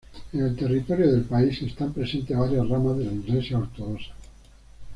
En el territorio del país están presentes varias ramas de la Iglesia ortodoxa.